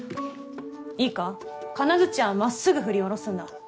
いいか金槌はまっすぐ振り下ろすんだ。